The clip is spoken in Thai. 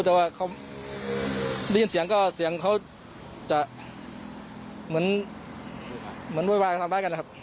แต่ว่าเขาได้ยินเสียงก็เสียงเขาจะเหมือนโวยวายทำร้ายกันนะครับ